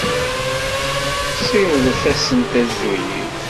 Siwḍet-asent azul-iw.